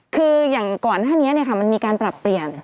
คืออย่างก่อนหน้านี้มันมีการปรับเปลี่ยน